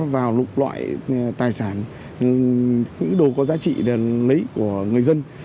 vào lục loại tài sản những đồ có giá trị để lấy của người dân